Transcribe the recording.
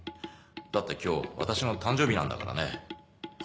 だって今日私の誕生日なんだからね。は？